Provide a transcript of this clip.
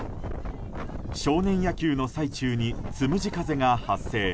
少年野球の最中につむじ風が発生。